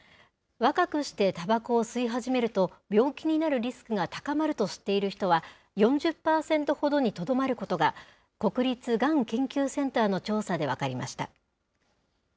若くしてたばこを吸い始めると、病気になるリスクが高まると知っている人は４０％ほどにとどまることが、国立がん研究センターの調査で分かりました。